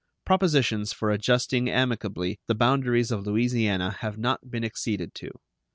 Propositions for adjusting amicably the boundaries of Louisiana have not been acceded to.